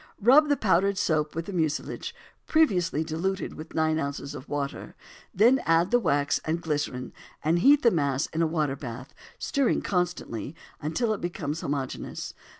Rub the powdered soap with the mucilage, previously diluted with nine ounces of water, then add the wax and glycerin, and heat the mass on a water bath, stirring constantly, until it becomes homogeneous.